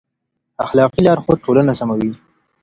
اخلاقي لارښود ټولنه سموي.